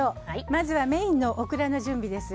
まずはメインのオクラの準備です。